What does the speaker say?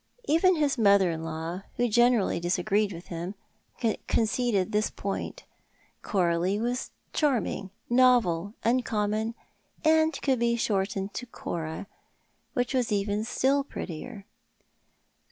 Even his mother in law, who generally disagreed with him, conceded this point. Coralie was charming, novel, uncommon, and could be shortened to Cora, which was still prettier.